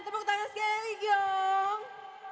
tepuk tangan sekali dong